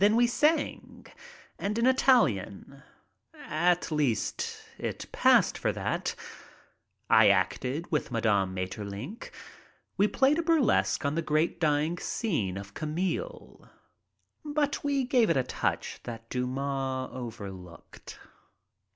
Then we sang, and in Italian — at least it passed for that. I acted with Mme. Maeterlinck. We played a burlesque on the great dying scene of "Camille." But we gave it a touch that Dumas overlooked.